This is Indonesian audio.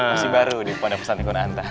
masih baru di pondok pesan ikun antah